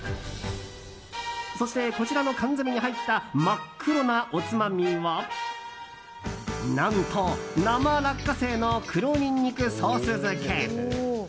そして、こちらの缶詰に入った真っ黒なおつまみは何と生落花生の黒にんにくソース漬け。